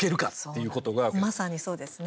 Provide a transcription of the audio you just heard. まさに、そうですね。